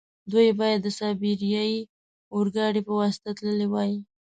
دوی باید د سایبیریا اورګاډي په واسطه تللي وای.